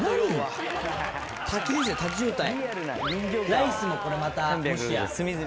ライスもこれまたもしや。